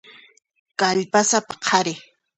Kallpasapa qhari.